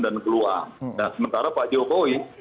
dan keluar nah sementara pak jokowi